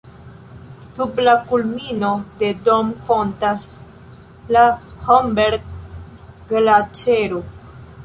Sub la kulmino de Dom fontas la Hohberg-Glaĉero.